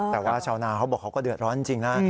แต่ว่าชาวนาเขาบอกเขาก็เดือดร้อนจริงนะ